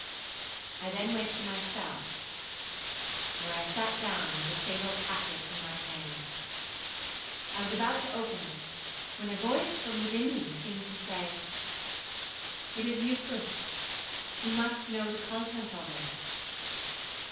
I then went to my cell, where I sat down with the fatal packet in my hands. I was about to open it, when a voice from within me seemed to say,—It is useless, you must know the contents already.